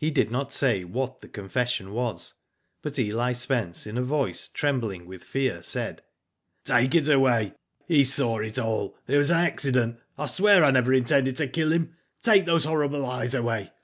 He did not say what the confession was, but Eli Spence in a voice, trembling with fear, said : Take it away. He saw it all. It was an ac cident. I swear I never intended to kill him. Take those horrible eyes away.